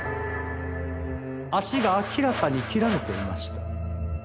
脚が明らかに切られていました。